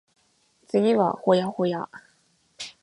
次は保谷保谷